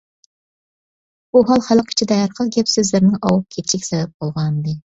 بۇ ھال خەلق ئىچىدە ھەر خىل گەپ-سۆزلەرنىڭ ئاۋۇپ كېتىشىگە سەۋەب بولغانىدى.